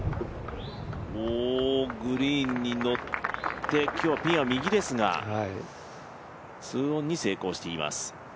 グリーンにのって、今日はピンは右ですが、２オンに成功しています。